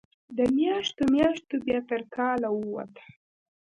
د میاشتو، میاشتو بیا تر کال ووته